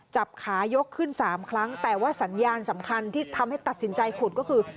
จับขายกขึ้น๓ครั้งแต่ว่าสัญญาณสำคัญที่ทำให้ตัดสินใจขุดก็คือ